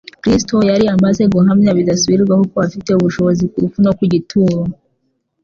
Kristo yari amaze guhamya bidasubirwaho ko afite ubushobozi ku rupfu no ku gituro.